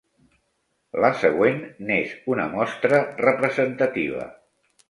La següent n'és una mostra representativa.